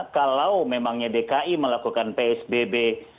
kalau memangnya dki melakukan psbb